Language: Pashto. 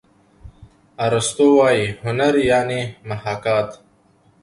ارستو وايي هنر یعني محاکات.